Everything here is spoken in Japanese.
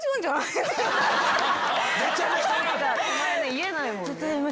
言えないもんね。